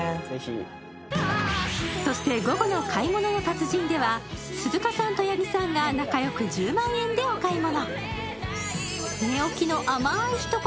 そして午後の「買い物の達人」では鈴鹿さんと八木さんが仲良く１０万円でお買い物。